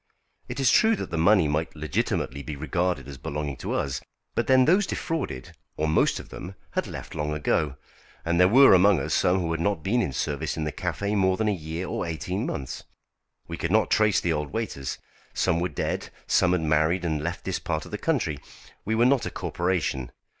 It is true that the money might legitimately be regarded as belonging to us. But then those defrauded, or most of them, had left long ago, and there were among us some who had not been in service in the café more than a year or eighteen months. We could not trace the old waiters. Some were dead, some had married and left this part of the country. We were not a corporation.